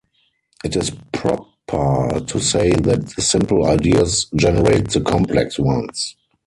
It is proper to say that the simple ideas generate the complex ones.